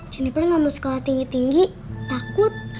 juniper gak mau sekolah tinggi tinggi takut